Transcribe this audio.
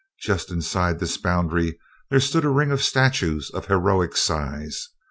Just inside this boundary there stood a ring of statues of heroic size.